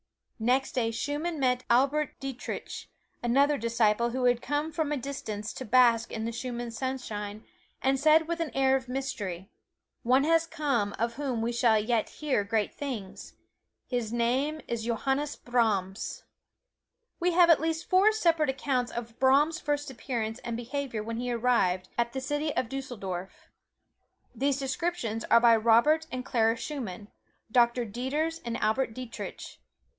Next day Schumann met Albert Dietrich, another disciple who had come from a distance to bask in the Schumann sunshine, and said with an air of mystery: "One has come of whom we shall yet hear great things. His name is Johannes Brahms." We have at least four separate accounts of Brahms' first appearance and behavior when he arrived at the city of Dusseldorf. These descriptions are by Robert and Clara Schumann, Doctor Dieters and Albert Dietrich.